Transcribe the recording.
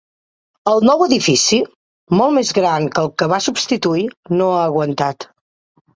El nou edifici, molt més gran que el que va substituir, no ha aguantat.